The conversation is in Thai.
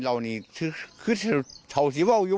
ได้ยากพูดว่าทำไมดู